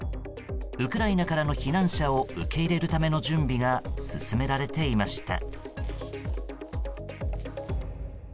ウクライナからの避難者を受け入れるための準備が進められていました。